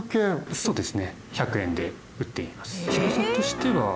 そうですね。